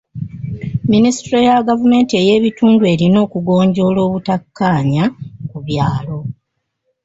Minisitule ya gavumenti ez'ebitundu erina okugonjoola obutakkaanya ku byalo.